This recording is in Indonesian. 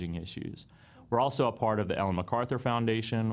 kami juga adalah bagian dari pembangunan ellen macarthur